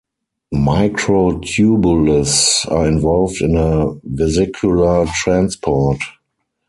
Microtubules are involved in vesicular transport.